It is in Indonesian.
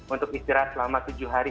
untuk istirahat selama tujuh hari